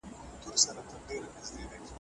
د استاد پسرلي کورنۍ فرهنګي سابقه لرله.